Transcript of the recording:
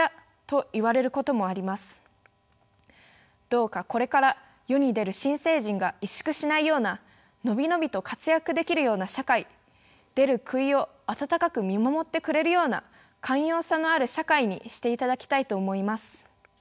どうかこれから世に出る新成人が萎縮しないような伸び伸びと活躍できるような社会出る杭を温かく見守ってくれるような寛容さのある社会にしていただきたいと思います。